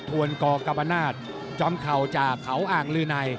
วนกกรรมนาศจอมเข่าจากเขาอ่างลือใน